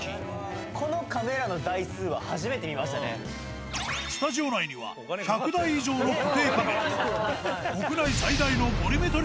このカメラの台数は初めて見スタジオ内には、１００台以上の固定カメラ。